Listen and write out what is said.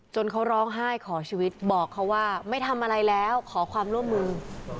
เขาร้องไห้ขอชีวิตบอกเขาว่าไม่ทำอะไรแล้วขอความร่วมมือ